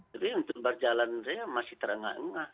tapi untuk berjalan saya masih terengah engah